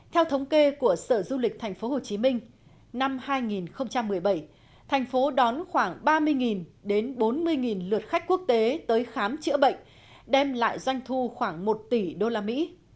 theo thống kê của sở du lịch tp hcm năm hai nghìn một mươi bảy thành phố đón khoảng ba mươi đến bốn mươi lượt khách quốc tế tới khám chữa bệnh đem lại doanh thu khoảng một tỷ đô la mỹ